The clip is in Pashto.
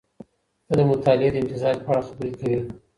ته د مطالعې د امتزاج په اړه خبري کوې.